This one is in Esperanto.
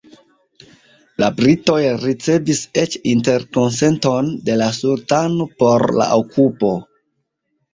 La britoj ricevis eĉ "interkonsenton” de la sultano por la okupo.